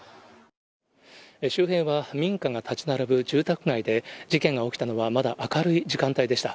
周辺は民家が建ち並ぶ住宅街で、事件が起きたのはまだ明るい時間帯でした。